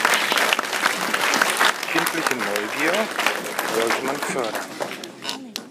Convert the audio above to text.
Kindliche Neugier sollte man fördern.